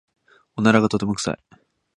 おならがとても臭い。